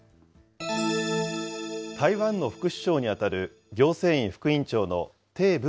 台湾の副首相に当たる行政院副院長の鄭文